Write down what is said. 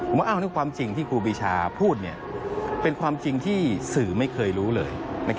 ผมว่าความจริงที่ครูปีชาพูดเป็นความจริงที่สื่อไม่เคยรู้เลย